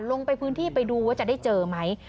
ลงไปพื้นที่ไปดูว่าจะได้เจอไหม